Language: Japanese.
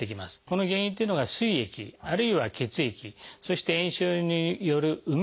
この原因っていうのがすい液あるいは血液そして炎症による膿ですね